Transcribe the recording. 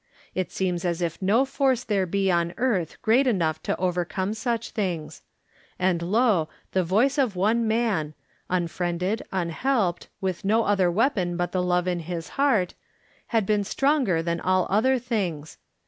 It seems as if no force there be on earth great enough to over come such thiAgs; and, lo, the voice of one man — ^unfriended, imhelped, with no other weapon but the love in his heart — ^had been stronger than all other things.